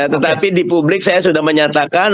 tetapi di publik saya sudah menyatakan